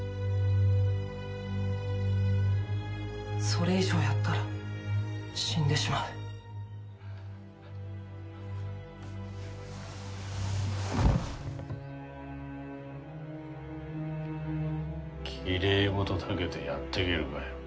それ以上やったら死んでしまうきれい事だけでやっていけるかよ